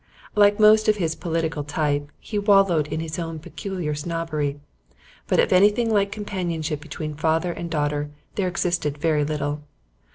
Like most of his political type, he wallowed in his own peculiar snobbery. But of anything like companionship between father and daughter there had existed very little.